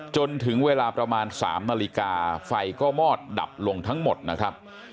จนถึงเวลาประมาณ๓นาฬิกาไฟก็มอดดับลงทั้งหมดนะครับ